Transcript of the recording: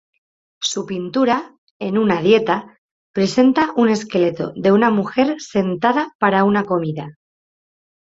Su pintura "En una Dieta" presenta un esqueleto de mujer sentada para una comida.